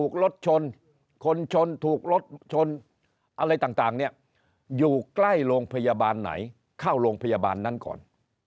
รถชนคนชนถูกรถชนอะไรต่างเนี่ยอยู่ใกล้โรงพยาบาลไหนเข้าโรงพยาบาลนั้นก่อน